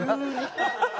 ハハハハ。